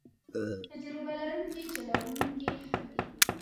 تجربه لرونکی چلوونکی ښه وي.